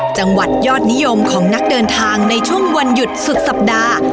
ยอดนิยมของนักเดินทางในช่วงวันหยุดสุดสัปดาห์